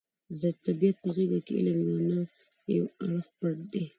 د طبیعت په غېږه کې علم یو نه یو اړخ پټ دی.